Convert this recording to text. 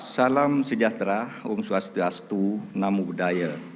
salam sejahtera om swastiastu namo buddhaya